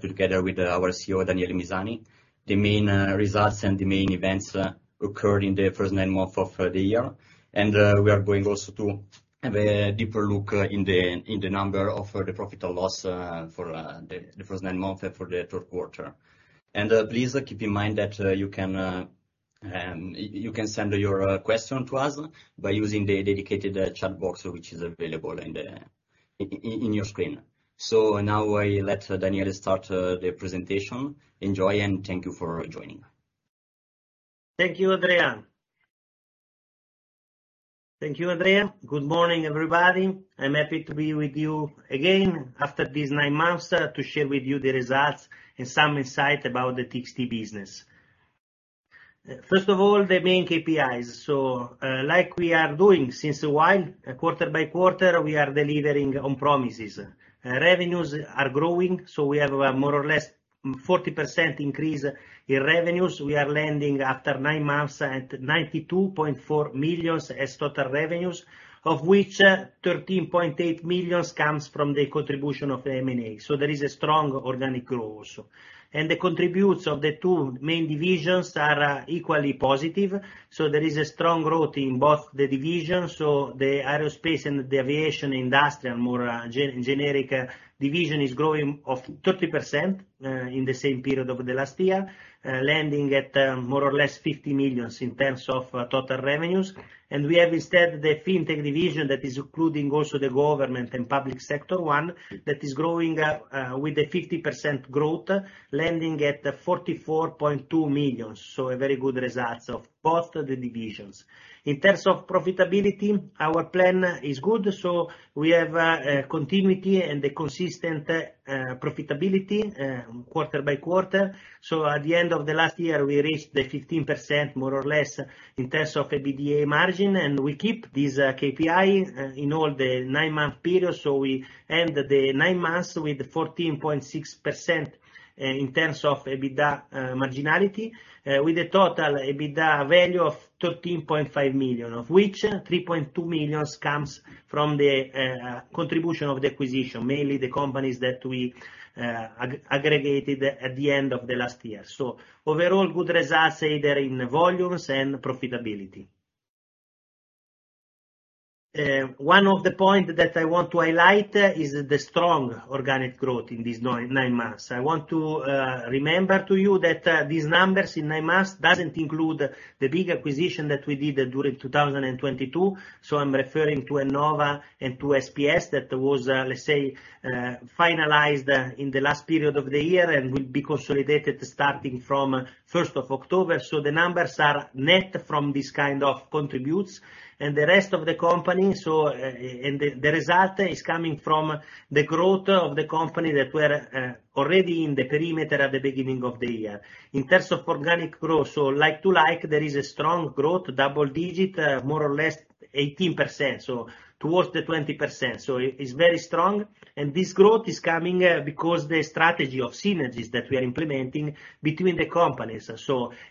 Together with our CEO, Daniele Misani, the main results and the main events occurred in the first nine months of the year. We are going also to have a deeper look in the number of the profit or loss for the first nine months and for the third quarter. Please keep in mind that you can send your question to us by using the dedicated chat box which is available in your screen. Now I let Daniele start the presentation. Enjoy, and thank you for joining. Thank you, Andrea. Good morning, everybody. I'm happy to be with you again after these nine months to share with you the results and some insight about the TXT business. First of all, the main KPIs. Like we are doing for a while, quarter by quarter, we are delivering on promises. Revenues are growing, so we have a more or less 40% increase in revenues. We are landing after nine months at 92.4 million as total revenues, of which 13.8 million comes from the contribution of M&A. There is a strong organic growth also. The contributions of the two main divisions are equally positive. There is a strong growth in both the divisions. The aerospace and the aviation industrial, more generic division, is growing of 30%, in the same period of the last year, landing at more or less 50 million in terms of total revenues. We have instead the FinTech division that is including also the government and public sector one, that is growing with a 50% growth, landing at 44.2 million. A very good results of both the divisions. In terms of profitability, our plan is good, so we have a continuity and a consistent profitability quarter by quarter. At the end of the last year, we reached the 15% more or less in terms of EBITDA margin, and we keep this KPI in all the nine-month period. We end the nine months with 14.6% in terms of EBITDA marginality with a total EBITDA value of 13.5 million, of which 3.2 million comes from the contribution of the acquisition, mainly the companies that we aggregated at the end of the last year. Overall, good results, either in volumes and profitability. One of the points that I want to highlight is the strong organic growth in these nine months. I want to remember to you that these numbers in nine months doesn't include the big acquisition that we did during 2022. I'm referring to Ennova and to SPS. That was, let's say, finalized in the last period of the year and will be consolidated starting from first of October. The numbers are net from this kind of contributions and the rest of the company. The result is coming from the growth of the company that were already in the perimeter at the beginning of the year. In terms of organic growth, like to like, there is a strong growth, double-digit, more or less 18%, so towards the 20%. It's very strong. This growth is coming because the strategy of synergies that we are implementing between the companies.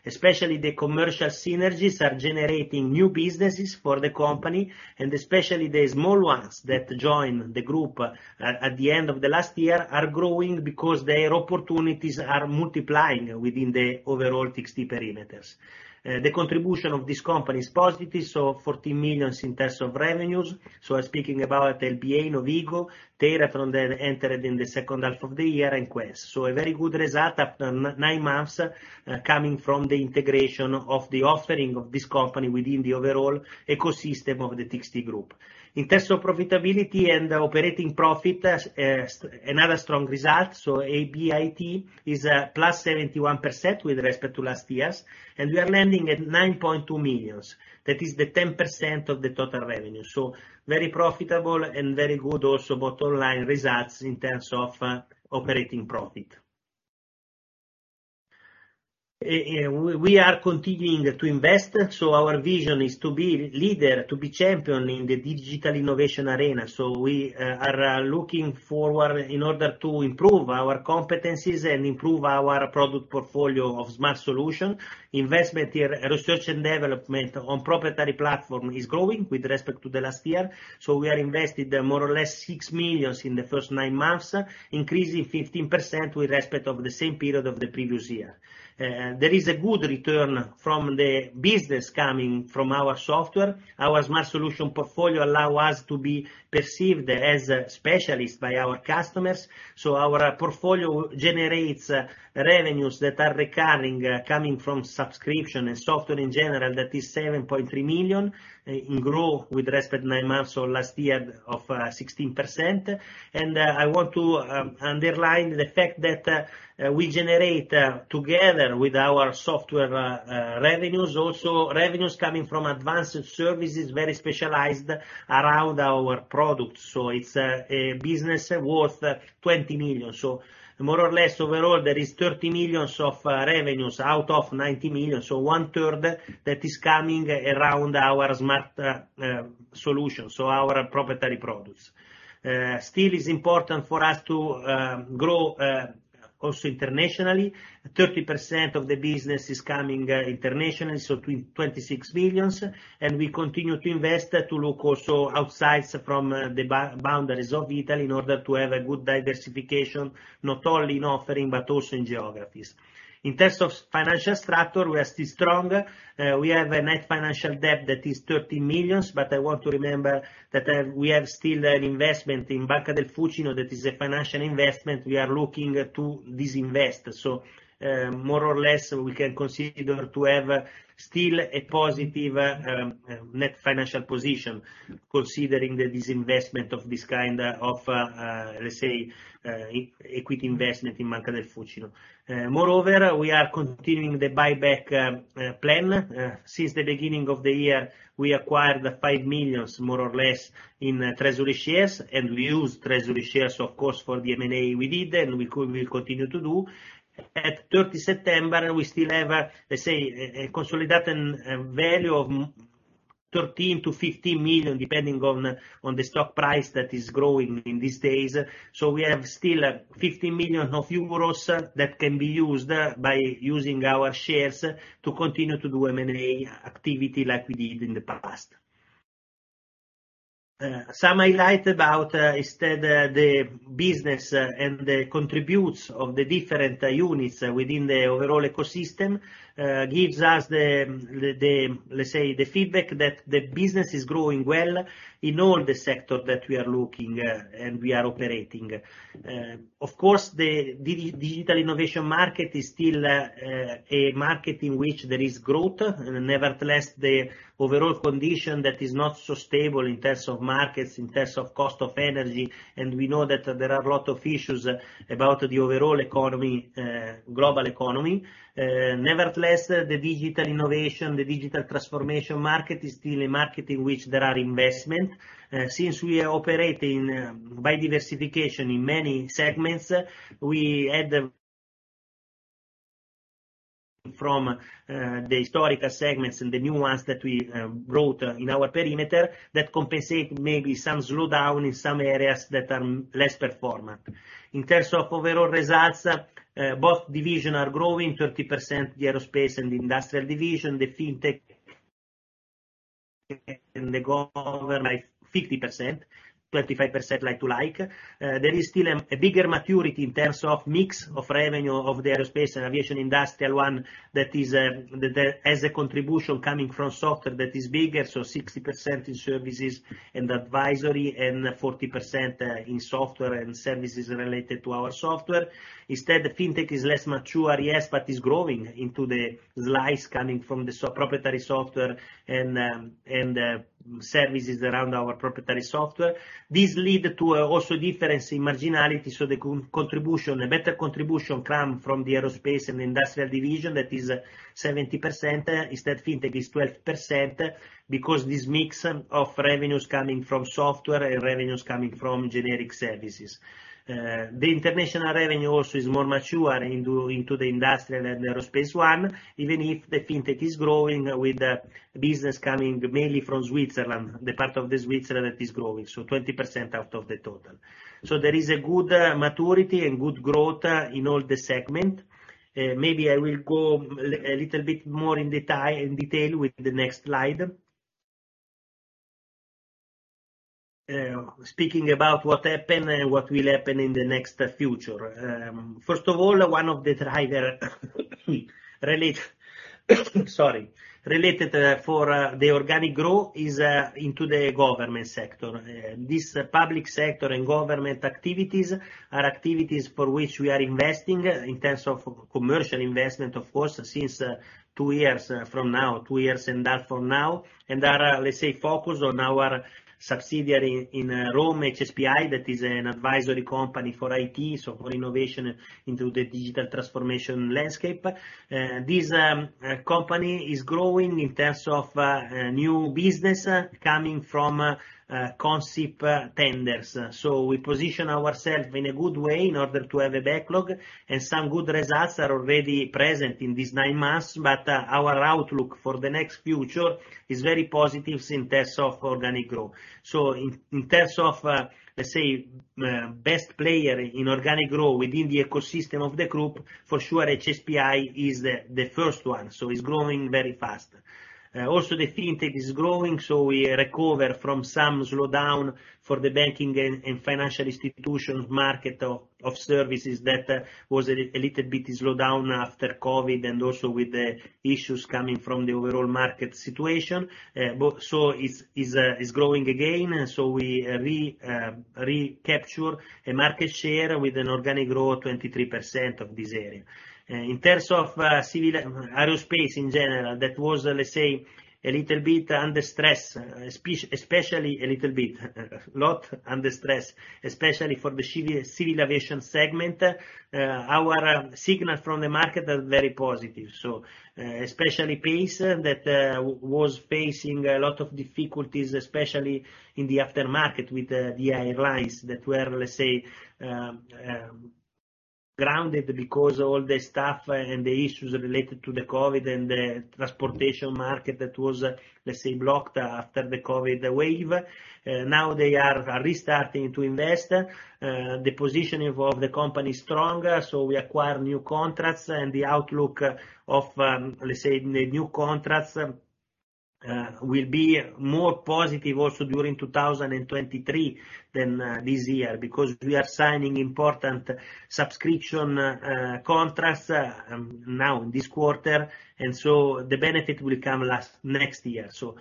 Especially the commercial synergies are generating new businesses for the company, and especially the small ones that joined the group at the end of the last year are growing because their opportunities are multiplying within the overall TXT perimeters. The contribution of this company is positive, so 14 million in terms of revenues, speaking about LBA, Novigo, TeraTron entered in the second half of the year, and Quence. A very good result after nine months, coming from the integration of the offering of this company within the overall ecosystem of the TXT group. In terms of profitability and operating profit, another strong result. EBIT is +71% with respect to last year's, and we are landing at 9.2 million. That is the 10% of the total revenue. Very profitable and very good also bottom line results in terms of operating profit. We are continuing to invest, so our vision is to be leader, to be champion in the digital innovation arena. We are looking forward in order to improve our competencies and improve our product portfolio of Smart Solutions. Investment in research and development on proprietary platform is growing with respect to the last year. We are invested more or less 6 million in the first nine months, increasing 15% with respect to the same period of the previous year. There is a good return from the business coming from our software. Our Smart Solutions portfolio allow us to be perceived as a specialist by our customers. Our portfolio generates revenues that are recurring, coming from subscription and software in general. That is 7.3 million, in growth with respect to nine months of last year of 16%. I want to underline the fact that we generate together with our software revenues, also revenues coming from advanced services, very specialized around our products. It's a business worth 20 million. More or less overall, there is 30 million of revenues out of 90 million, 1/3 that is coming around our Smart Solutions, our proprietary products. Still is important for us to grow internationally, 30% of the business is coming internationally, 26 million, and we continue to invest to look also outside from the boundaries of Italy in order to have a good diversification, not only in offering, but also in geographies. In terms of financial structure, we are still strong. We have a net financial debt that is 13 million, but I want to remember that we have still an investment in Banca del Fucino that is a financial investment we are looking to disinvest. More or less, we can consider to have still a positive net financial position considering the disinvestment of this kind of, let's say, equity investment in Banca del Fucino. Moreover, we are continuing the buyback plan. Since the beginning of the year we acquired 5 million, more or less, in treasury shares, and we use treasury shares, of course, for the M&A we did, and we'll continue to do. At 30 September, we still have, let's say, a consolidated value of 13 million-15 million, depending on the stock price that is growing in these days. We have still 50 million euros that can be used by using our shares to continue to do M&A activity like we did in the past. Some highlights about instead the business and the contributions of the different units within the overall ecosystem gives us the, let's say, the feedback that the business is growing well in all the sectors that we are looking and we are operating. Of course, the digital innovation market is still a market in which there is growth. Nevertheless, the overall condition that is not so stable in terms of markets, in terms of cost of energy, and we know that there are a lot of issues about the overall economy, global economy. Nevertheless, the digital innovation, the digital transformation market is still a market in which there are investment. Since we are operating by diversification in many segments, we have from the historical segments and the new ones that we brought in our perimeter that compensate maybe some slowdown in some areas that are less performant. In terms of overall results, both division are growing 30%, the aerospace and the industrial division, the FinTech, and they go over, like, 50%, 25% like to like. There is still a bigger maturity in terms of mix of revenue of the aerospace and aviation industrial one that has a contribution coming from software that is bigger, so 60% in services and advisory and 40% in software and services related to our software. Instead, the FinTech is less mature, yes, but is growing into the slice coming from the proprietary software and services around our proprietary software. This lead to also difference in marginality, so the contribution, a better contribution come from the aerospace and industrial division that is 70%. Instead, FinTech is 12% because this mix of revenues coming from software and revenues coming from generic services. The international revenue also is more mature into the industrial and aerospace one, even if the FinTech is growing with the business coming mainly from Switzerland, the part of the Switzerland that is growing, so 20% out of the total. There is a good maturity and good growth in all the segment. Maybe I will go a little bit more in detail with the next slide. Speaking about what happened and what will happen in the near future. First of all, one of the drivers related to the organic growth is in the government sector. This public sector and government activities are activities for which we are investing in terms of commercial investment, of course, since two and a half years ago, and are, let's say, focused on our subsidiary in Rome, HSPI, that is an advisory company for IT, so for innovation in the digital transformation landscape. This company is growing in terms of new business coming from Consip tenders. We position ourselves in a good way in order to have a backlog, and some good results are already present in this nine months, but our outlook for the next future is very positive in terms of organic growth. In terms of, let's say, best player in organic growth within the ecosystem of the group, for sure HSPI is the first one. It's growing very fast. Also the FinTech is growing, so we recover from some slowdown for the banking and financial institutions market of services that was a little bit slowdown after COVID and also with the issues coming from the overall market situation. It's growing again, and we recapture a market share with an organic growth 23% of this area. In terms of civil aerospace in general, that was, let's say, a little bit under stress, especially a lot under stress, especially for the civil aviation segment. Our signal from the market are very positive. Especially PACE that was facing a lot of difficulties, especially in the aftermarket with the airlines that were, let's say, grounded because all the staff and the issues related to the COVID and the transportation market that was, let's say, blocked after the COVID wave. Now they are restarting to invest. The positioning of the company is stronger, so we acquire new contracts and the outlook of, let's say, the new contracts, will be more positive also during 2023 than this year because we are signing important subscription contracts now in this quarter. The benefit will come next year, so.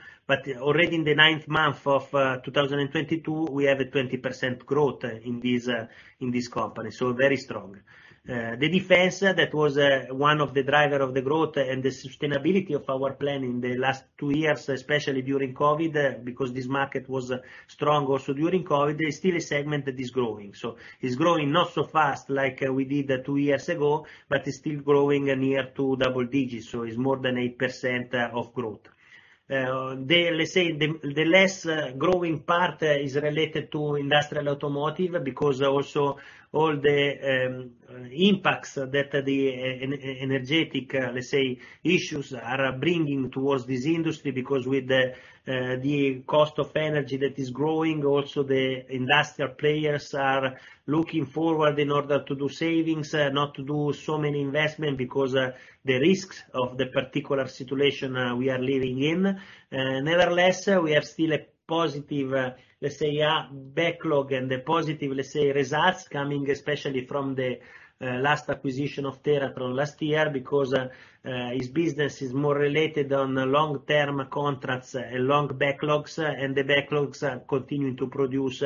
Already in the ninth month of 2022, we have a 20% growth in this company, so very strong. The defense that was one of the driver of the growth and the sustainability of our plan in the last two years, especially during COVID, is still a segment that is growing. It's growing not so fast like we did 2 years ago, but it's still growing near to double digits, so it's more than 8% of growth. The less growing part is related to industrial automotive because also all the impacts that the energy issues are bringing towards this industry because with the cost of energy that is growing, also the industrial players are looking forward in order to do savings, not to do so many investment because the risks of the particular situation we are living in. Nevertheless, we are still a positive, let's say, backlog and the positive, let's say, results coming especially from the last acquisition of TeraTron last year because its business is more related to the long-term contracts and long backlogs, and the backlogs are continuing to produce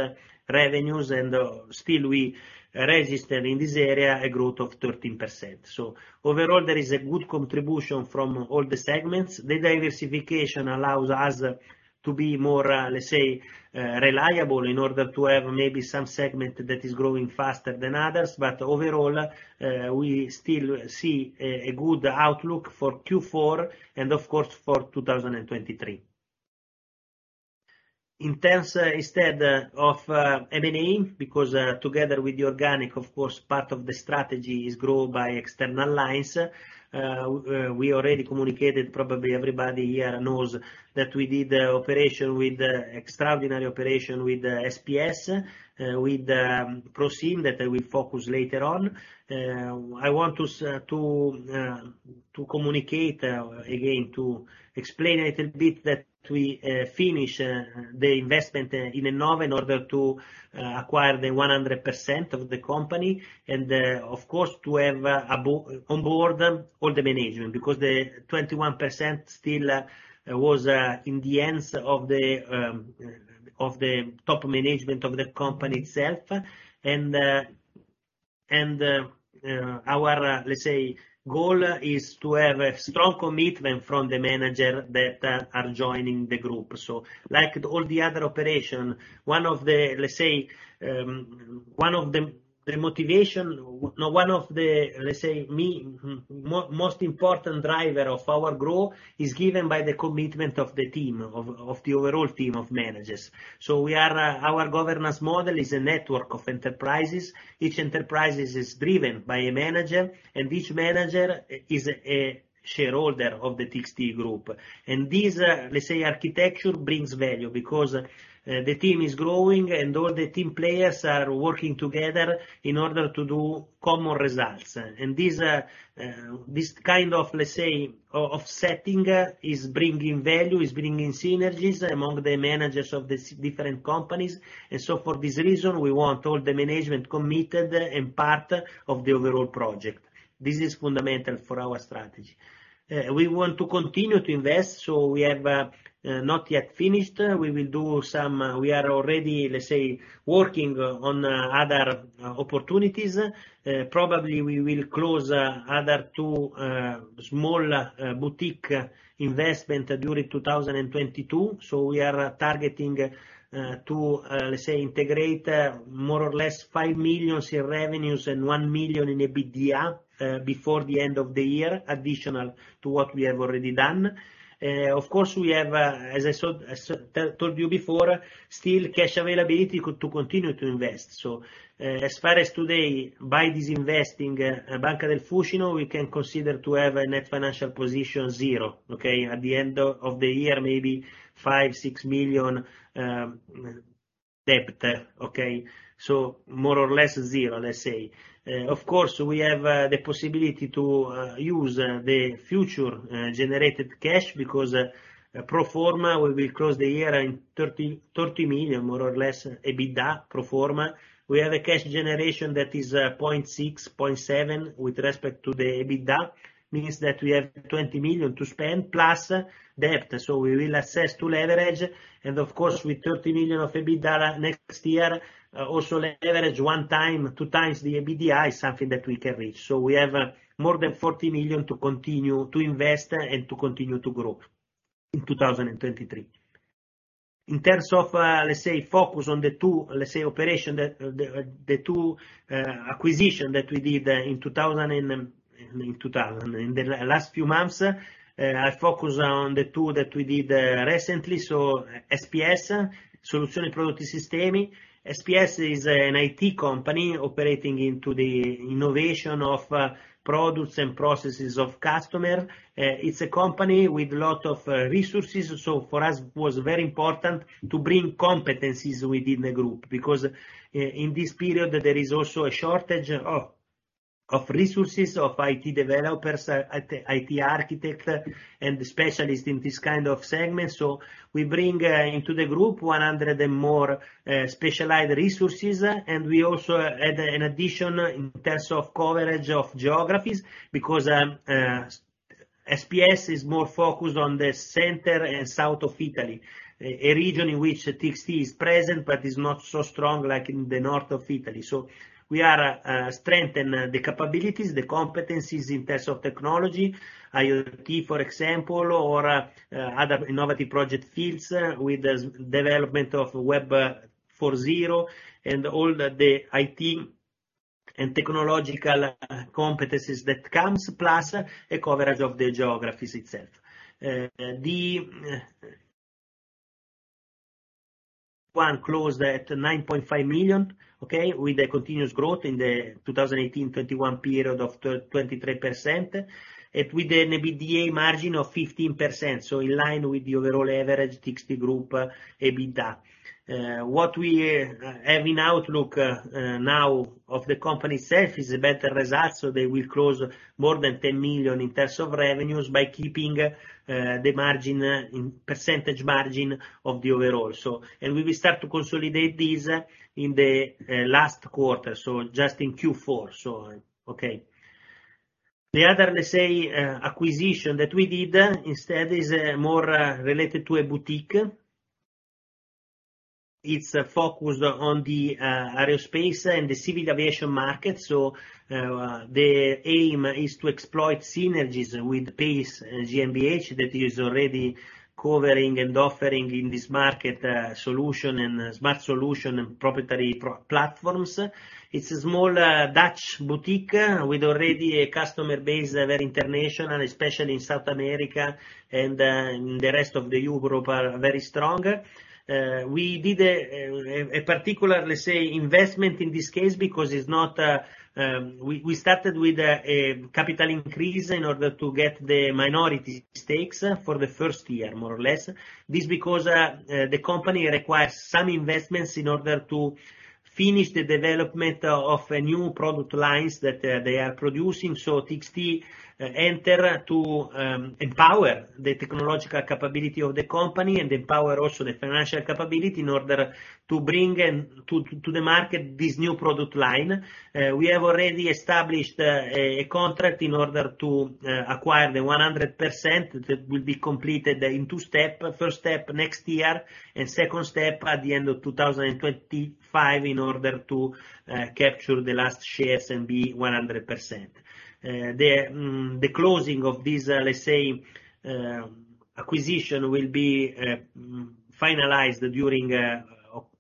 revenues and still we registered in this area a growth of 13%. Overall, there is a good contribution from all the segments. The diversification allows us to be more, let's say, reliable in order to have maybe some segment that is growing faster than others. Overall, we still see a good outlook for Q4 and of course for 2023. In terms of M&A, because together with the organic, of course, part of the strategy is grow by external lines. We already communicated, probably everybody here knows that we did an extraordinary operation with SPS with Procyon that I will focus later on. I want to communicate again, to explain a little bit that we finish the investment in Ennova in order to acquire the 100% of the company. Our, let's say, goal is to have a strong commitment from the manager that are joining the group. Like all the other operations, one of the most important driver of our growth is given by the commitment of the overall team of managers. Our governance model is a network of enterprises. Each enterprise is driven by a manager, and each manager is a shareholder of the TXT group. This, let's say, architecture brings value because the team is growing and all the team players are working together in order to do common results. This kind of, let's say, setting is bringing value, is bringing synergies among the managers of the different companies. For this reason, we want all the management committed and part of the overall project. This is fundamental for our strategy. We want to continue to invest, so we have not yet finished. We will do some, we are already, let's say, working on other opportunities. Probably we will close other two small boutique investment during 2022. We are targeting to, let's say, integrate more or less 5 million in revenues and 1 million in EBITDA before the end of the year, additional to what we have already done. Of course, we have, as I said, as told you before, still cash availability to continue to invest. As far as today, by this investing Banca del Fucino, we can consider to have a net financial position zero, okay? At the end of the year, maybe 5-6 million debt, okay? More or less zero, let's say. Of course, we have the possibility to use the future generated cash because pro forma, we will close the year in 30 million more or less EBITDA pro forma. We have a cash generation that is 0.6, 0.7 with respect to the EBITDA, means that we have 20 million to spend plus debt. We will access to leverage, and of course, with 30 million of EBITDA next year, also leverage 1x, 2x the EBITDA is something that we can reach. We have more than 40 million to continue to invest and to continue to grow in 2023. In terms of focus on the two acquisitions that we did in 2022. In the last few months, I focus on the two that we did recently. SPS, Soluzioni Prodotti Sistemi S.r.l. SPS is an IT company operating in the innovation of products and processes of customers. It's a company with a lot of resources, so for us was very important to bring competencies within the group. Because in this period, there is also a shortage of resources, of IT developers, IT architects, and specialists in this kind of segment. We bring into the group 100 and more specialized resources, and we also add an addition in terms of coverage of geographies. Because SPS is more focused on the center and south of Italy, a region in which TXT is present but is not so strong like in the north of Italy. We are strengthen the capabilities, the competencies in terms of technology. IoT, for example, or other innovative project fields with the development of Web 4.0 and all the IT and technological competencies that comes, plus a coverage of the geographies itself. One closed at 9.5 million, okay, with a continuous growth in the 2018-2021 period of 23%. With an EBITDA margin of 15%, so in line with the overall average TXT group EBITDA. What we have in outlook now of the company itself is a better result, so they will close more than 10 million in terms of revenues by keeping the percentage margin of the overall. We will start to consolidate this in the last quarter, just in Q4, okay. The other, let's say, acquisition that we did instead is more related to a boutique. It's focused on the aerospace and the civil aviation market. The aim is to exploit synergies with PACE GmbH that is already covering and offering in this market solutions and Smart Solutions and proprietary platforms. It's a small Dutch boutique with already a customer base very international, especially in South America and in the rest of Europe that are very strong. We did a particular, let's say, investment in this case because it's not. We started with a capital increase in order to get the minority stakes for the first year, more or less. This because the company requires some investments in order to finish the development of a new product lines that they are producing. TXT enter to empower the technological capability of the company and empower also the financial capability in order to bring to the market this new product line. We have already established a contract in order to acquire the 100%. That will be completed in two step. First step next year, and second step at the end of 2025 in order to capture the last shares and be 100%. The closing of this, let's say, acquisition will be finalized during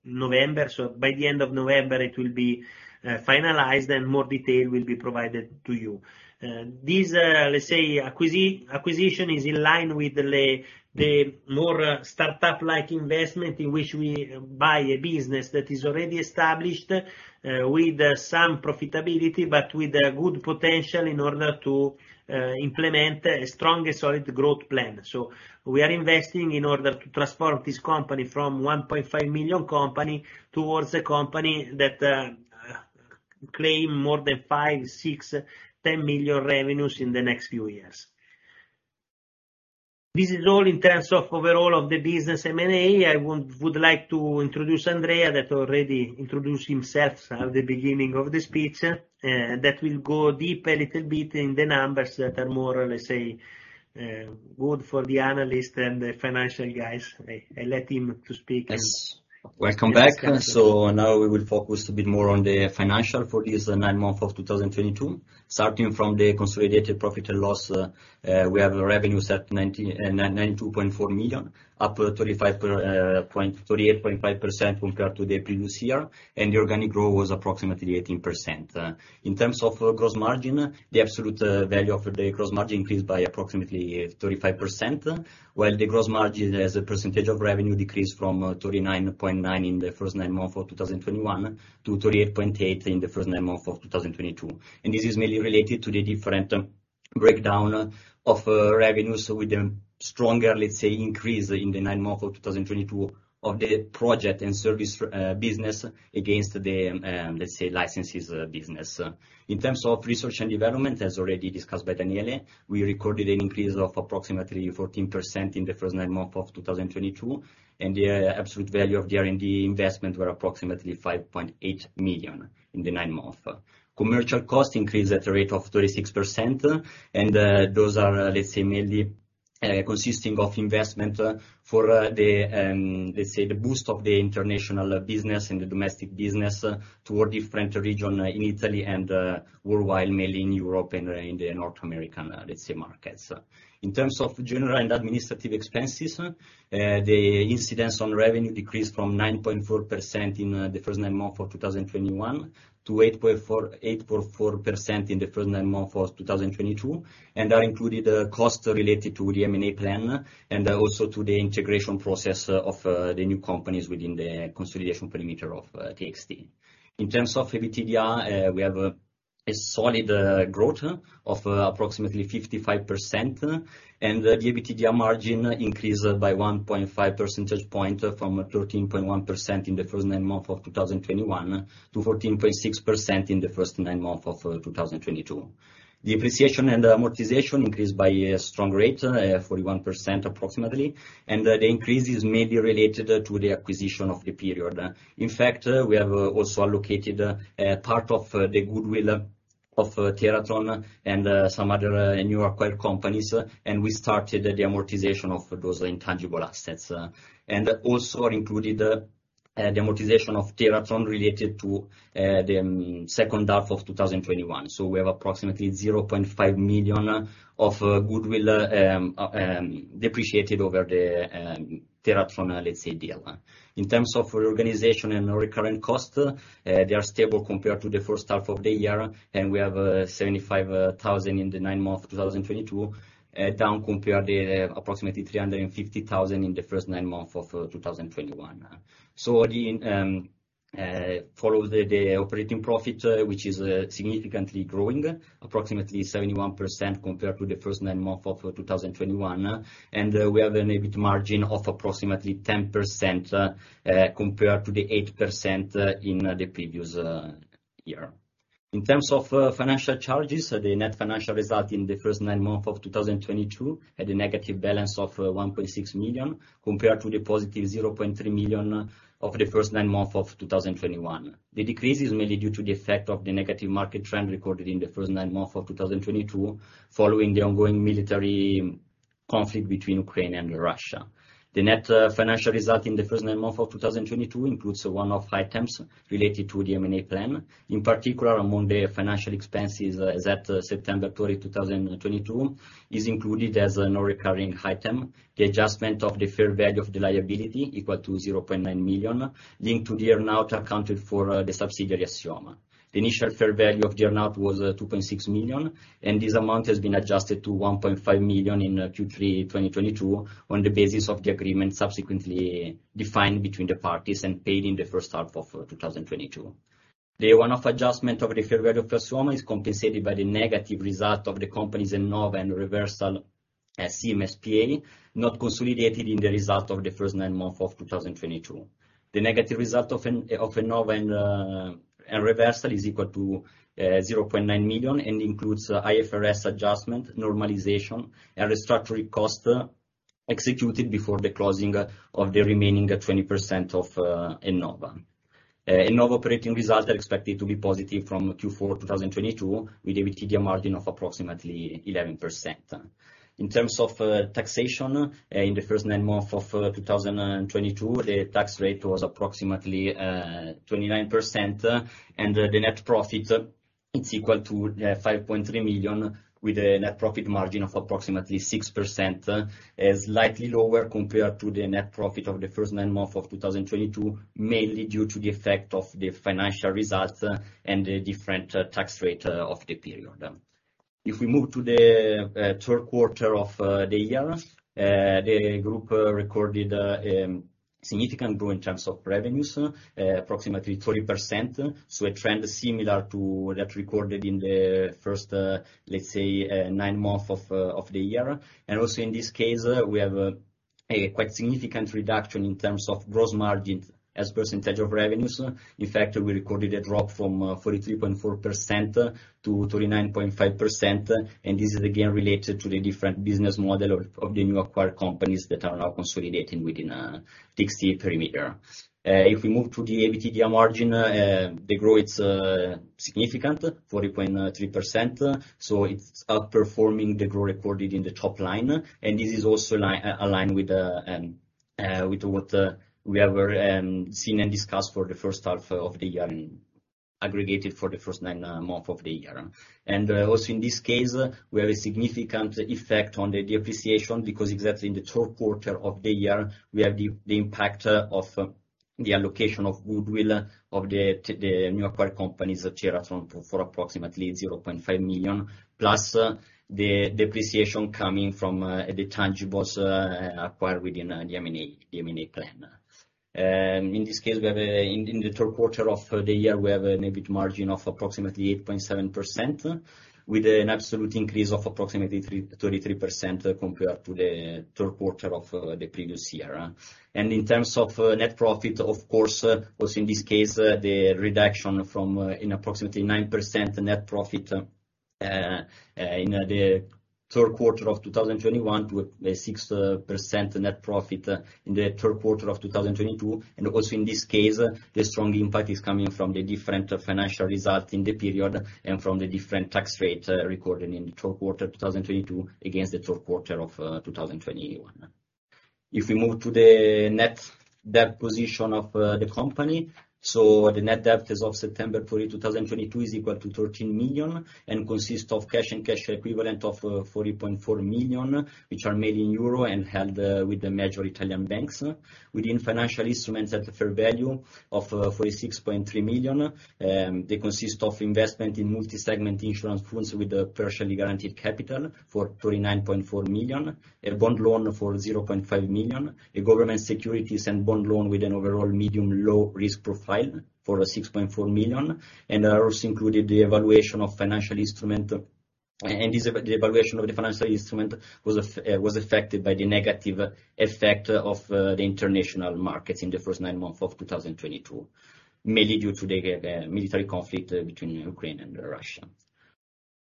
November. By the end of November, it will be finalized and more detail will be provided to you. This, let's say, acquisition is in line with the more startup like investment in which we buy a business that is already established with some profitability, but with a good potential in order to implement a strong and solid growth plan. We are investing in order to transform this company from 1.5 million company towards a company that claim more than 5, 6, 10 million revenues in the next few years. This is all in terms of overall of the business M&A. I would like to introduce Andrea, that already introduced himself at the beginning of the speech, that will go deeper a little bit in the numbers that are more, let's say, good for the analyst and the financial guys. I let him to speak and- Yes. Welcome back. Now we will focus a bit more on the financial for this nine month of 2022. Starting from the consolidated profit and loss, we have revenues at EUR 92.4 million, up 38.5% compared to the previous year, and the organic growth was approximately 18%. In terms of gross margin, the absolute value of the gross margin increased by approximately 35%, while the gross margin as a percentage of revenue decreased from 39.9 in the first nine month of 2021 to 38.8 in the first nine month of 2022. This is mainly related to the different breakdown of revenues with a stronger, let's say, increase in the nine months of 2022 of the project and service business against the licenses business. In terms of research and development, as already discussed by Daniele, we recorded an increase of approximately 14% in the first nine months of 2022, and the absolute value of the R&D investment were approximately 5.8 million in the nine months. Commercial costs increased at a rate of 36%, and those are, let's say, mainly consisting of investment for the boost of the international business and the domestic business toward different regions in Italy and worldwide, mainly in Europe and in the North American markets. In terms of general and administrative expenses, the incidence on revenue decreased from 9.4% in the first nine months of 2021, to 8.4% in the first nine months of 2022. That included a cost related to the M&A plan, and also to the integration process of the new companies within the consolidation perimeter of TXT. In terms of EBITDA, we have a solid growth of approximately 55%. The EBITDA margin increased by one point five percentage point from 13.1% in the first nine months of 2021, to 14.6% in the first nine months of 2022. The depreciation and amortization increased by a strong rate, 41% approximately, and the increase is mainly related to the acquisition of the period. In fact, we have also allocated a part of the goodwill of TeraTron and some other new acquired companies, and we started the amortization of those intangible assets. And also included the amortization of TeraTron related to the second half of 2021. We have approximately 0.5 million of goodwill depreciated over the TeraTron, let's say, deal. In terms of reorganization and recurring costs, they are stable compared to the first half of the year. We have 75,000 in the nine months of 2022, down compared to the approximately 350,000 in the first nine months of 2021. The operating profit, which is significantly growing, approximately 71% compared to the first nine months of 2021. We have an EBIT margin of approximately 10%, compared to the 8% in the previous year. In terms of financial charges, the net financial result in the first nine months of 2022 had a negative balance of 1.6 million, compared to the positive 0.3 million of the first nine months of 2021. The decrease is mainly due to the effect of the negative market trend recorded in the first nine months of 2022, following the ongoing military conflict between Ukraine and Russia. The net financial result in the first nine months of 2022 includes one-off items related to the M&A plan. In particular, among the financial expenses as at September 30, 2022, is included as a non-recurring item, the adjustment of the fair value of the liability equal to 0.9 million, linked to the earnout accounted for the subsidiary Assioma. The initial fair value of the earnout was 2.6 million, and this amount has been adjusted to 1.5 million in Q3 2022, on the basis of the agreement subsequently defined between the parties and paid in the first half of 2022. The one-off adjustment of the fair value of Assioma is compensated by the negative result of the companies in Ennova and Reversal SIM S.p.A., not consolidated in the result of the first nine months of 2022. The negative result of Ennova and ReVersal is equal to 0.9 million, and includes IFRS adjustment, normalization, and restructuring costs executed before the closing of the remaining 20% of Ennova. Ennova operating results are expected to be positive from Q4 2022, with EBITDA margin of approximately 11%. In terms of taxation, in the first nine months of 2022, the tax rate was approximately 29%. The net profit is equal to 5.3 million, with a net profit margin of approximately 6%. Slightly lower compared to the net profit of the first nine months of 2022, mainly due to the effect of the financial results and the different tax rate of the period. If we move to the third quarter of the year, the group recorded significant growth in terms of revenues, approximately 30%. A trend similar to that recorded in the first, let's say, nine months of the year. Also in this case, we have a quite significant reduction in terms of gross margin as percentage of revenues. In fact, we recorded a drop from 43.4% to 39.5%. This is again related to the different business model of the new acquired companies that are now consolidating within TXT perimeter. If we move to the EBITDA margin, the growth is significant, 40.3%. It's outperforming the growth recorded in the top line. This is also aligned with what we have seen and discussed for the first half of the year and aggregated for the first nine months of the year. Also in this case, we have a significant effect on the depreciation, because exactly in the third quarter of the year, we have the impact of the allocation of goodwill of the new acquired companies, TeraTron, for approximately 0.5 million, plus the depreciation coming from the tangibles acquired within the M&A plan. In this case, we have in the third quarter of the year an EBIT margin of approximately 8.7%, with an absolute increase of approximately 33% compared to the third quarter of the previous year. In terms of net profit, of course, also in this case, the reduction from approximately 9% net profit in the third quarter of 2021 to a 6% net profit in the third quarter of 2022. Also in this case, the strong impact is coming from the different financial results in the period, and from the different tax rate recorded in the third quarter 2022 against the third quarter of 2021. If we move to the net debt position of the company, so the net debt as of September 30, 2022 is equal to 13 million, and consists of cash and cash equivalent of 40.4 million, which are in euros and held with the major Italian banks. Within financial instruments at the fair value of 46.3 million, they consist of investment in multi-segment insurance funds with a partially guaranteed capital for 29.4 million, a bond loan for 0.5 million, a government securities and bond loan with an overall medium low risk profile for 6.4 million. Are also included the evaluation of financial instrument. This, the evaluation of the financial instrument was affected by the negative effect of the international markets in the first nine months of 2022, mainly due to the military conflict between Ukraine and Russia.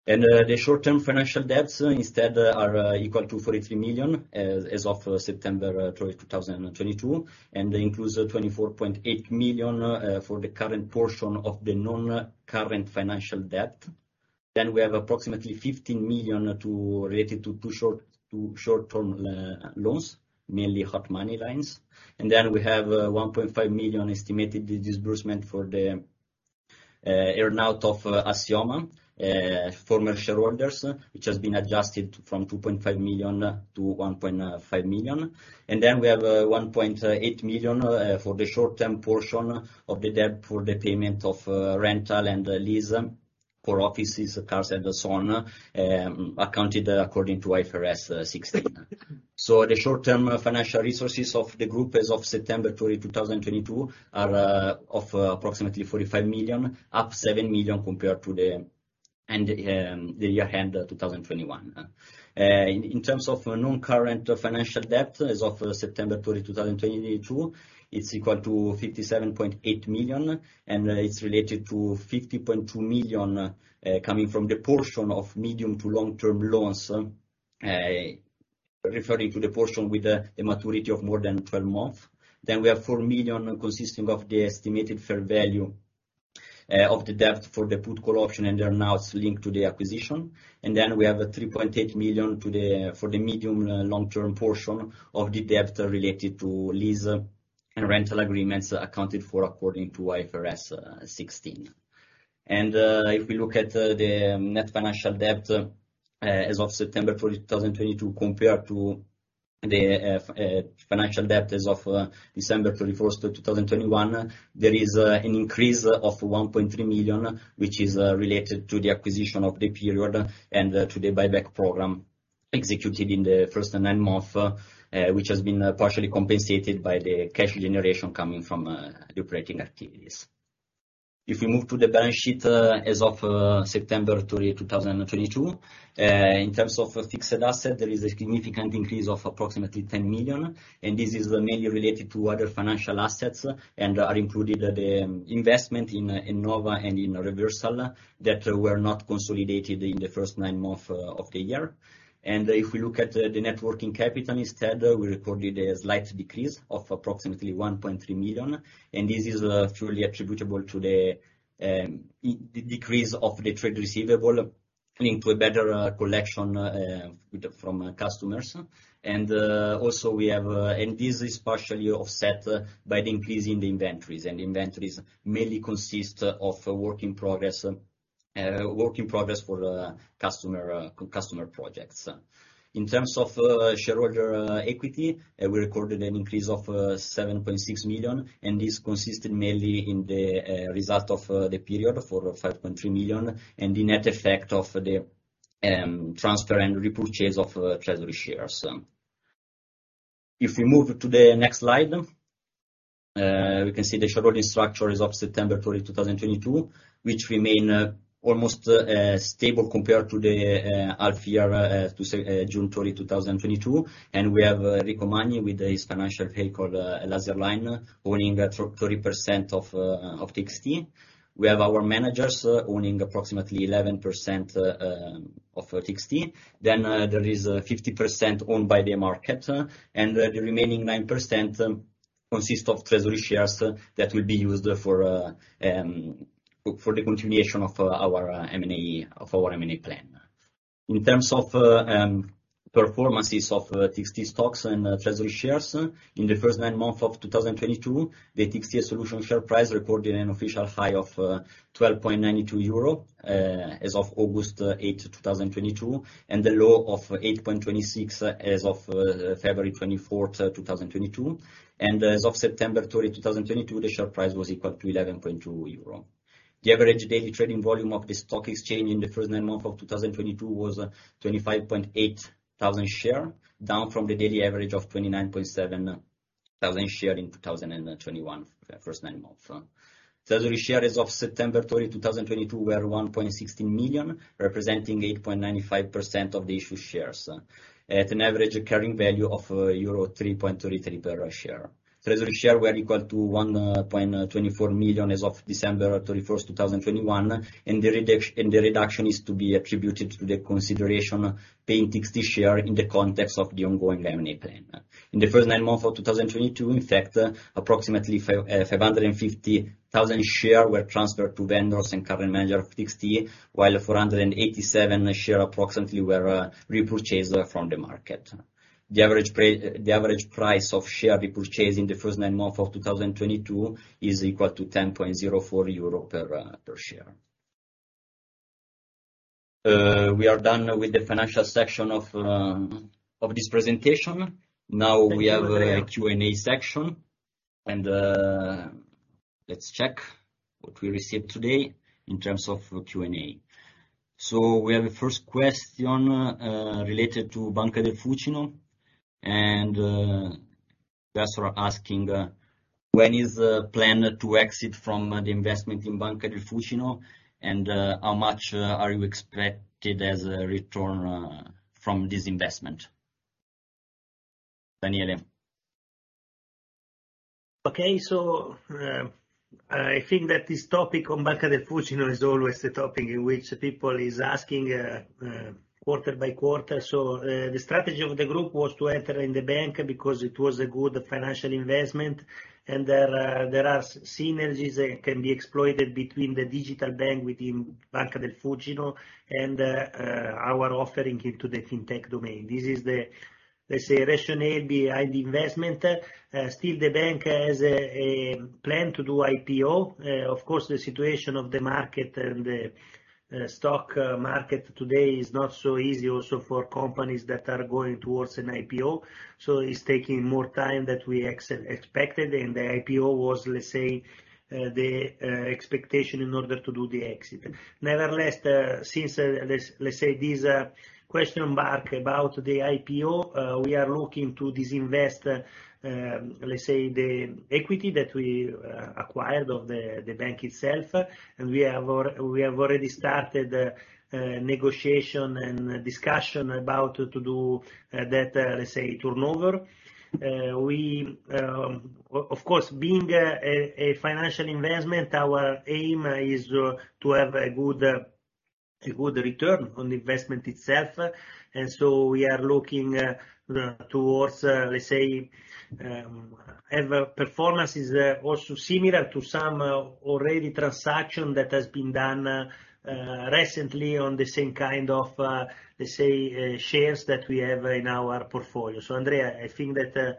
The short-term financial debts instead are equal to 43 million as of September 30, 2022, and includes 24.8 million for the current portion of the non-current financial debt. We have approximately 15 million to relate it to two short-term loans, mainly hot money lines. We have 1.5 million estimated disbursement for the earnout of Assioma former shareholders, which has been adjusted from 2.5 million to 1.5 million. We have 1.8 million for the short-term portion of the debt for the payment of rental and lease for offices, cars, and so on, accounted according to IFRS 16. The short-term financial resources of the group as of September 30, 2022 are of approximately 45 million, up 7 million compared to the year-end 2021. In terms of non-current financial debt as of September 30, 2022, it's equal to 57.8 million, and it's related to 50.2 million coming from the portion of medium to long-term loans referring to the portion with the maturity of more than 12 months. We have 4 million consisting of the estimated fair value of the debt for the put call option, and they're now linked to the acquisition. We have 3.8 million for the medium long-term portion of the debt related to lease and rental agreements accounted for according to IFRS 16. If we look at the net financial debt as of September 30, 2022, compared to the financial debt as of December 31, 2021, there is an increase of 1.3 million, which is related to the acquisition of the period and to the buyback program executed in the first nine months, which has been partially compensated by the cash generation coming from the operating activities. If we move to the balance sheet as of September 30, 2022, in terms of fixed asset, there is a significant increase of approximately 10 million, and this is mainly related to other financial assets and are included the investment in Ennova and in ReVersal that were not consolidated in the first nine month of the year. If we look at the net working capital instead, we recorded a slight decrease of approximately 1.3 million, and this is truly attributable to the decrease of the trade receivable linked to a better collection from customers. This is partially offset by the increase in the inventories, and inventories mainly consist of work in progress for customer projects. In terms of shareholder equity, we recorded an increase of 7.6 million, and this consisted mainly in the result of the period for 5.3 million, and the net effect of the transfer and repurchase of treasury shares. If we move to the next slide, we can see the shareholding structure as of September 30, 2022, which remain almost stable compared to the half year to June 30, 2022. We have Enrico Magni with his financial vehicle, Lasterlink, owning 30% of TXT. We have our managers owning approximately 11% of TXT. There is 50% owned by the market, and the remaining 9% consist of treasury shares that will be used for the continuation of our M&A plan. In terms of performances of TXT stocks and treasury shares, in the first nine months of 2022, the TXT e-solutions share price recorded an official high of 12.92 euro as of August 8, 2022, and the low of 8.26 as of February 24, 2022. As of September 30, 2022, the share price was equal to 11.2 euro. The average daily trading volume of the stock exchange in the first nine months of 2022 was 25.8 thousand shares, down from the daily average of 29.7 thousand shares in 2021, first nine months. Treasury shares as of September 30, 2022 were 1.16 million, representing 8.95% of the issued shares at an average carrying value of euro 3.33 per share. Treasury shares were equal to 1.24 million as of December 31, 2021, and the reduction is to be attributed to the consideration paid in TXT shares in the context of the ongoing M&A plan. In the first nine months of 2022, in fact, approximately 550,000 shares were transferred to vendors and current managers of TXT, while approximately 487 shares were repurchased from the market. The average price of shares we purchased in the first nine months of 2022 is equal to 10.04 euro per share. We are done with the financial section of this presentation. Now we have a Q&A section, and let's check what we received today in terms of Q&A. We have a first question related to Banca del Fucino. Customer asking, when is the plan to exit from the investment in Banca del Fucino? How much are you expected as a return from this investment? Daniele. I think that this topic on Banca del Fucino is always the topic in which people is asking quarter by quarter. The strategy of the group was to enter in the bank because it was a good financial investment. There are synergies that can be exploited between the digital bank within Banca del Fucino and our offering into the FinTech domain. This is the, let's say, rationale behind the investment. Still the bank has a plan to do IPO. Of course, the situation of the market and the stock market today is not so easy also for companies that are going towards an IPO. It's taking more time than we expected, and the IPO was, let's say, the expectation in order to do the exit. Nevertheless, since let's say this question mark about the IPO, we are looking to disinvest, let's say, the equity that we acquired of the bank itself. We have already started negotiation and discussion about to do that let's say turnover. Of course, being a financial investment, our aim is to have a good return on the investment itself. We are looking towards let's say have performances also similar to some already transaction that has been done recently on the same kind of let's say shares that we have in our portfolio. Andrea, I think that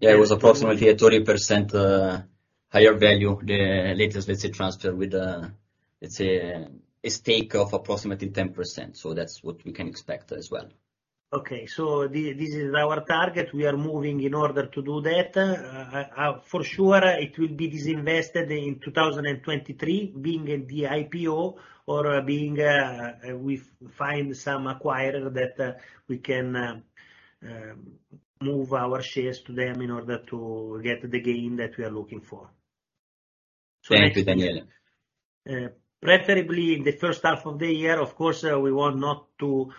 Yeah, it was approximately at 30% higher value, the latest, let's say, transfer with, let's say a stake of approximately 10%. That's what we can expect as well. Okay. This is our target. We are moving in order to do that. For sure it will be disinvested in 2023, being in the IPO or we find some acquirer that we can move our shares to them in order to get the gain that we are looking for. Thank you, Daniele. Preferably in the first half of the year, of course, we want not to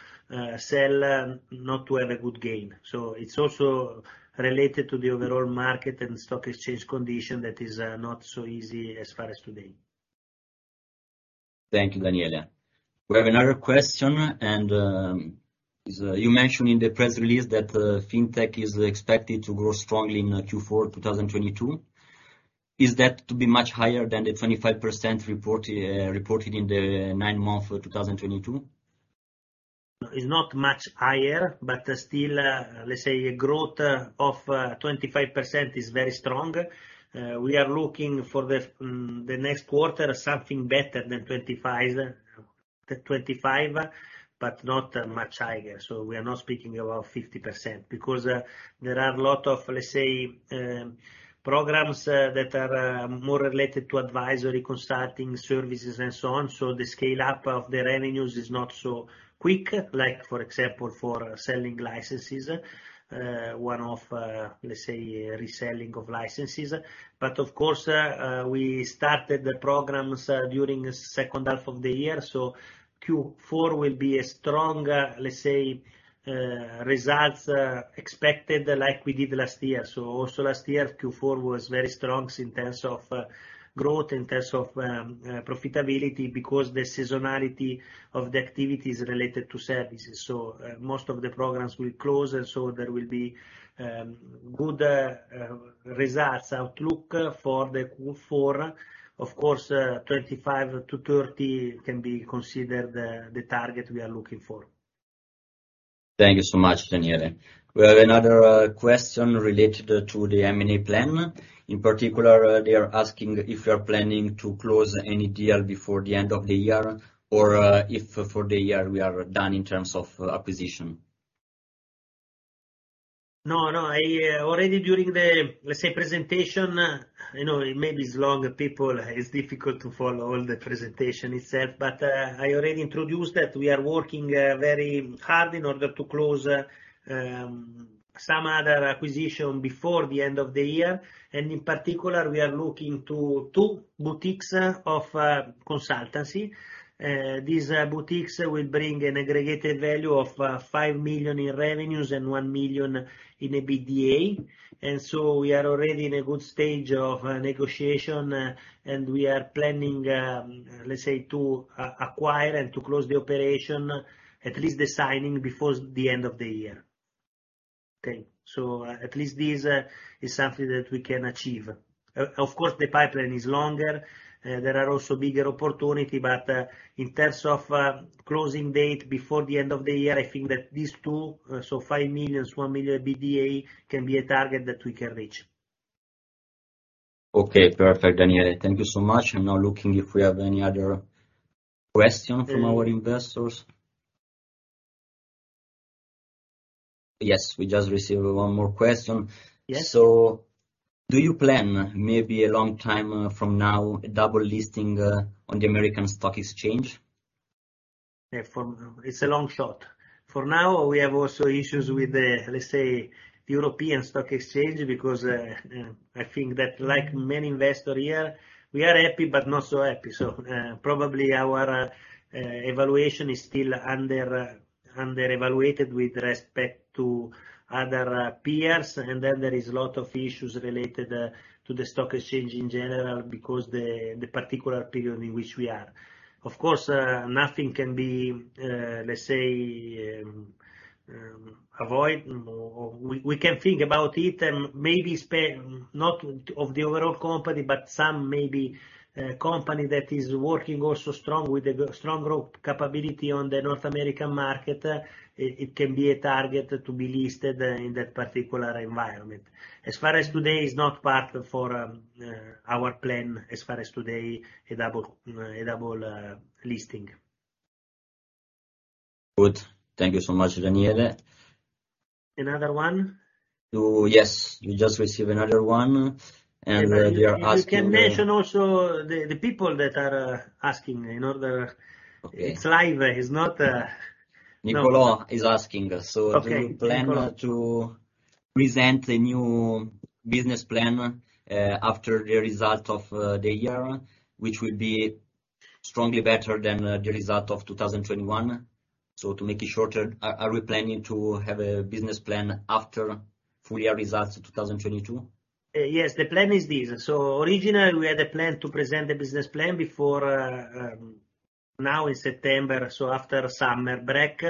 sell, not to have a good gain. It's also related to the overall market and stock exchange condition that is not so easy as of today. Thank you, Daniele. We have another question. You mentioned in the press release that the FinTech is expected to grow strongly in Q4 2022. Is that to be much higher than the 25% reported in the nine months of 2022? It's not much higher, but still, let's say a growth of 25% is very strong. We are looking for the next quarter something better than 25%, but not much higher. We are not speaking about 50%. Because there are a lot of, let's say, programs that are more related to advisory consulting services and so on. The scale up of the revenues is not so quick, like for example, for selling licenses, one of, let's say reselling of licenses. Of course, we started the programs during the second half of the year, so Q4 will be a strong results expected like we did last year. Also last year, Q4 was very strong in terms of growth, in terms of profitability because the seasonality of the activities related to services. Most of the programs will close, so there will be good results outlook for the Q4. Of course, 25%-30% can be considered the target we are looking for. Thank you so much, Daniele. We have another question related to the M&A plan. In particular, they are asking if you are planning to close any deal before the end of the year or if for the year we are done in terms of acquisition. No, no. Already during the, let's say, presentation, maybe it's long, people, it's difficult to follow all the presentation itself. I already introduced that we are working very hard in order to close some other acquisition before the end of the year. In particular, we are looking to two boutiques of consultancy. These boutiques will bring an aggregated value of 5 million in revenues and 1 million in EBITDA. We are already in a good stage of negotiation, and we are planning, let's say to acquire and to close the operation, at least the signing before the end of the year. Okay. At least this is something that we can achieve. Of course, the pipeline is longer. There are also bigger opportunity, but in terms of closing date before the end of the year, I think that these two, so 5 million, 1 million EBITDA, can be a target that we can reach. Okay. Perfect, Daniele. Thank you so much. I'm now looking if we have any other question from our investors. Yes, we just received one more question. Yes. Do you plan, maybe a long time from now, a double listing on the American stock exchange? Yeah, it's a long shot. For now, we have also issues with the, let's say, the European stock exchange because I think that like many investors here, we are happy, but not so happy. Probably our valuation is still undervalued with respect to other peers. Then there is a lot of issues related to the stock exchange in general because the particular period in which we are. Of course, nothing can be, let's say, avoided. We can think about it and maybe spin off, not of the overall company, but some maybe company that is working also strong with strong growth capability on the North American market. It can be a target to be listed in that particular environment. As of today, it's not part of our plan as of today, a dual listing. Good. Thank you so much, Daniele. Another one? Yes, we just received another one, and they are asking. You can mention also the people that are asking, you know. Okay. It's live. It's not... Nicolo is asking. Okay, Nicolo. Do you plan to present a new business plan after the result of the year, which will be strongly better than the result of 2021? To make it shorter, are we planning to have a business plan after full year results of 2022? Yes. The plan is this. Originally, we had a plan to present the business plan before now in September, so after summer break.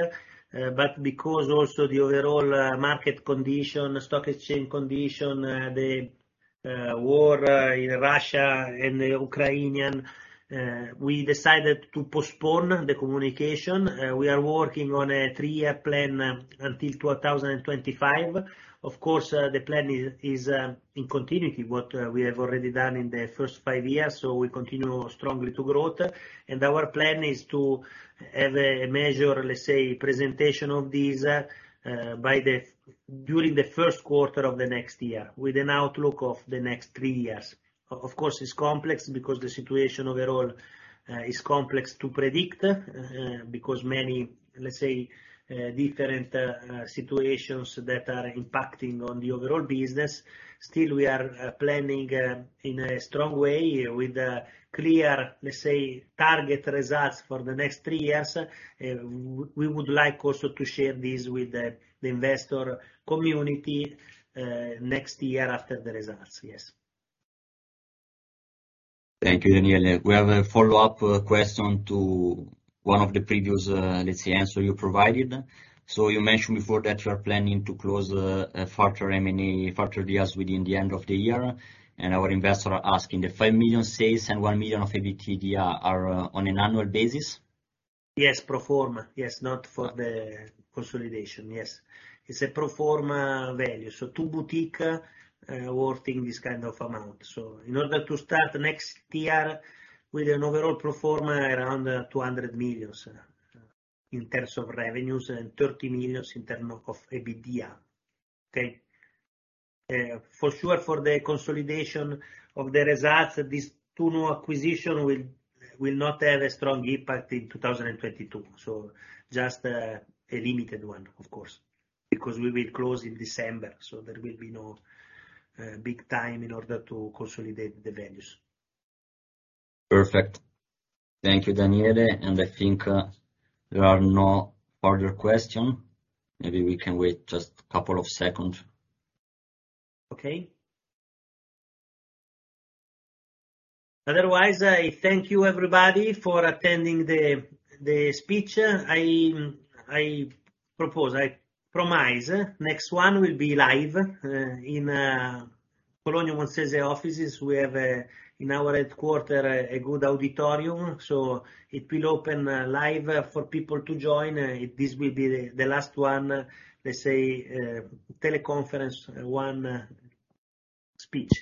But because also the overall market condition, stock exchange condition, the war in Russia and Ukraine, we decided to postpone the communication. We are working on a three-year plan until 2025. Of course, the plan is in continuity what we have already done in the first five years, so we continue strongly to growth. Our plan is to have a major, let's say, presentation of this during the first quarter of the next year with an outlook of the next three years. Of course, it's complex because the situation overall is complex to predict because many, let's say, different situations that are impacting on the overall business. Still, we are planning in a strong way with clear, let's say, target results for the next three years. We would like also to share this with the investor community next year after the results. Yes. Thank you, Daniele. We have a follow-up question to one of the previous, let's say, answer you provided. You mentioned before that you are planning to close further M&A, further deals within the end of the year. Our investor are asking if 5 million sales and 1 million of EBITDA are on an annual basis? Yes. Pro forma. Yes, not for the consolidation. Yes. It's a pro forma value. Two boutique worth in this kind of amount. In order to start next year with an overall pro forma around 200 million in terms of revenues and 30 million in terms of EBITDA. Okay? For sure, for the consolidation of the results, these two new acquisition will not have a strong impact in 2022. Just a limited one, of course. Because we will close in December, so there will be no big time in order to consolidate the values. Perfect. Thank you, Daniele. I think, there are no further question. Maybe we can wait just a couple of seconds. Okay. Otherwise, I thank you everybody for attending the speech. I promise next one will be live in Cologno Monzese offices. We have in our headquarters a good auditorium, so it will open live for people to join. This will be the last one, let's say, teleconference one, speech.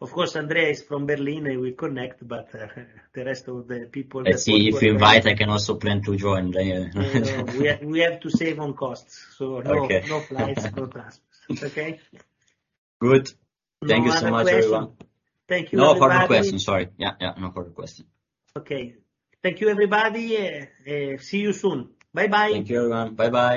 Of course, Andrea is from Berlin, and we connect, but the rest of the people that work- Let's see. If you invite, I can also plan to join, Daniele. We have to save on costs. Okay. No, no flights, no transfers. Okay? Good. Thank you so much, everyone. Thank you, everybody. No further question, sorry. Yeah, yeah. No further question. Okay. Thank you, everybody. See you soon. Bye-bye. Thank you, everyone. Bye-bye.